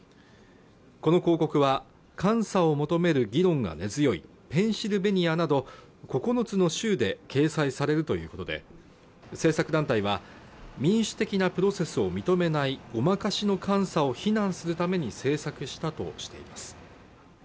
この広告は監査を求める議論が根強いペンシルベニアなど９つの州で掲載されるということで制作団体は民主的なプロセスを認めないごまかしの監査を非難するために制作したとしています